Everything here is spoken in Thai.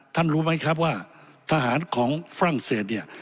รู้ไหมครับว่าทหารของฝรั่งเศสเนี่ย